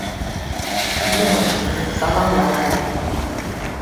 Кидым ыш пу, саламлалте: